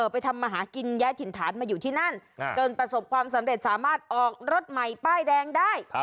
ไปทำมาหากินย้ายถิ่นฐานมาอยู่ที่นั่นจนประสบความสำเร็จสามารถออกรถใหม่ป้ายแดงได้